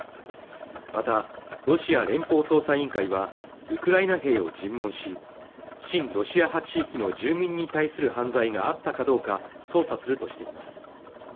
またロシア連邦捜査委員会はウクライナ兵を尋問し親ロシア派地域の住民に対する犯罪があったかどうか捜査するとしています